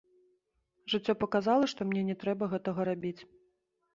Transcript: Жыццё паказала, што мне не трэба гэтага рабіць.